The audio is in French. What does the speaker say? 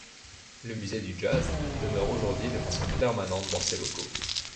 Le musée du Jazz demeure aujourd'hui de façon permanente dans ses locaux.